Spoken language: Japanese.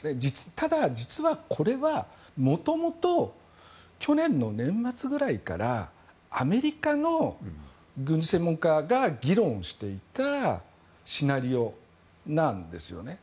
ただ、実はこれは元々、去年の年末ぐらいからアメリカの軍事専門家が議論していたシナリオなんですよね。